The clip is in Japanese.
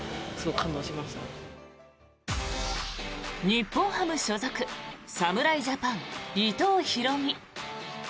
日本ハム所属侍ジャパン、伊藤大海。